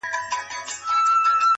د قصاب څنګ ته موچي په کار لګیا وو!!